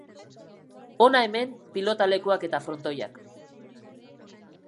Hona hemen pilotalekuak eta frontoiak.